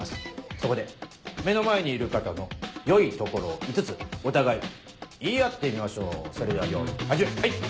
そこで目の前にいる方の良いところを５つお互い言い合ってみましょうそれでは用意始め！